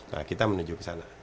nah kita menuju kesana